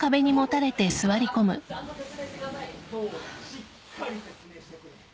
しっかり説明してくれ。